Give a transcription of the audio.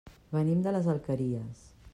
Venim de les Alqueries.